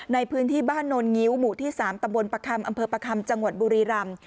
ในพื้นที่บ้านโนลงิ้วหมู่ที่๓ตะบนประคำอำเภอประคำจังหวัดบุรีรำ